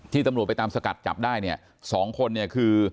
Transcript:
ตำรวจไปตามสกัดจับได้เนี่ย๒คนเนี่ยคือ